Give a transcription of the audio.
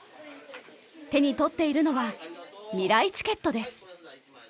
手に取っているのはみらいチケットです。